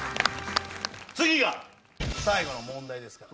次が最後の問題ですから。